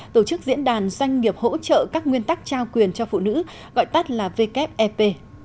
tổ chức diễn đàn doanh nghiệp hỗ trợ các nguyên tắc trao quyền cho phụ nữ gọi tắt là wep